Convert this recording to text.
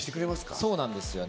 そうなんですよね。